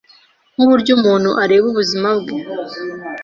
nkuburyo umuntu areba ubuzima bwe.